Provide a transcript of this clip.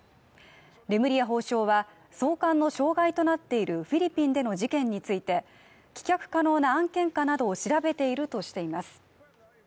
レムリヤ法相は送還の障害となっているフィリピンでの事件について棄却可能な案件かなどかを調べているとしています。